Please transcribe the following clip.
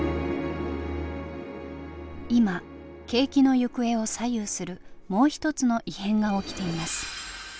今景気の行方を左右するもう一つの異変が起きています。